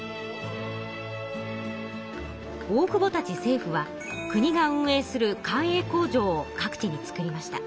大久保たち政府は国が運営する官営工場を各地に造りました。